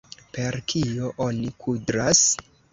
Per kio oni kudras?